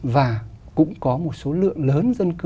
và cũng có một số lượng lớn dân cư